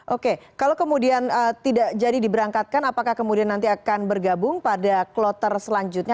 oke kalau kemudian tidak jadi diberangkatkan apakah kemudian nanti akan bergabung pada kloter selanjutnya